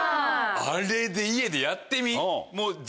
あれで家でやってみ。